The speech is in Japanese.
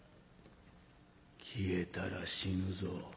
「消えたら死ぬぞ。